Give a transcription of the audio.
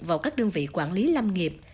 vào các đơn vị quản lý lâm nghiệp